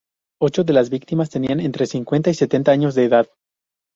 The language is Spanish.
Ocho de las víctimas tenían entre cincuenta y setenta años de edad.